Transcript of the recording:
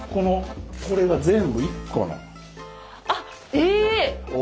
あっええ⁉